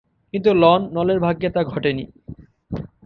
কিন্তু লন নলের ভাগ্যে তা ঘটেনি।